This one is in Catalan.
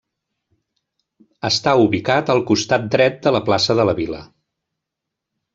Està ubicat al costat dret de la plaça de la vila.